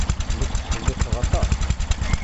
Nekk tqelliqeɣ aṭas.